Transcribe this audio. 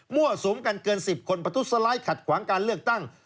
สุมกันเกิน๑๐คนประทุษร้ายขัดขวางการเลือกตั้ง